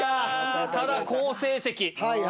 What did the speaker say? ただ好成績！